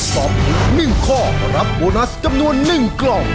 ตอบถูก๑ข้อรับโบนัสจำนวน๑กล่อง